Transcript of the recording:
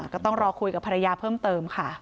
ก็ต้องรอคุยกับภรรยาเพิ่มเติมค่ะ